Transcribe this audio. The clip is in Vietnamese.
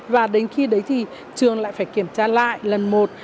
và đến khi đấy thì trường lại phải kiểm tra lại lần một